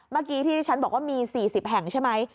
เมื่อกี้ที่ที่ฉันบอกว่ามี๔๐แห่งใช่ไหม